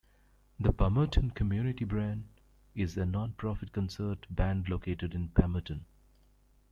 The Palmerton Community Band is a non-profit concert band located in Palmerton.